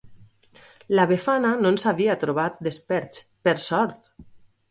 La Befana no ens havia trobat desperts, per sort!